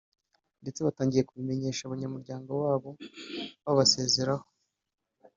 ndetse batangiye kubimenyesha abanyamuryango babo babasezeraho